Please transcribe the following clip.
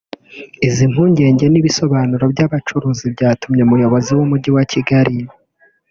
Izi mpungenge n’ibisobanuro by’abacuruzi byatumye umuyobozi w’umujyi wa Kigali